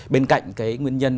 bên cạnh cái nguyên nhân